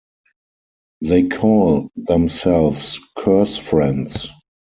They call themselves Curse Friends.